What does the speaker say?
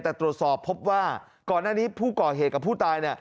แต่ตรวจสอบพบว่าก่อนหน้านี้ผู้ก่อเหตุกับผู้ตาย